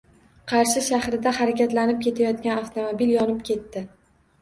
Qarshi shahrida harakatlanib ketayotgan avtomobil yonib ketdi